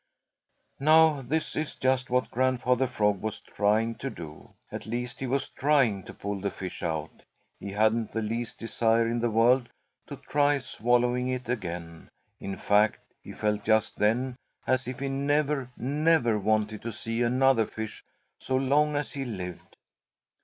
Now this is just what Grandfather Frog was trying to do. At least, he was trying to pull the fish out. He hadn't the least desire in the world to try swallowing it again. In fact, he felt just then as if he never, never wanted to see another fish so long as he lived.